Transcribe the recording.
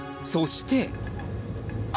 そして。